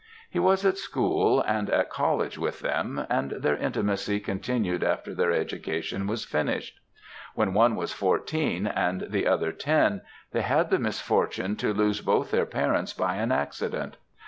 He was at school and at college with them, and their intimacy continued after their education was finished. When one was fourteen and the other ten, they had the misfortune to lose both their parents by an accident.